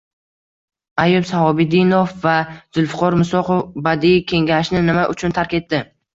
Ayub Shahobiddinov va Zulfiqor Musoqov Badiiy kengashni nima uchun tark etdi?